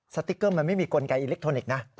สติ๊กเกอร์มันไม่มีกลไกอิเล็กทรอนิกส์นะ